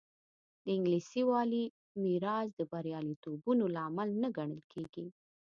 د انګلیسي والي میراث د بریالیتوبونو لامل نه ګڼل کېږي.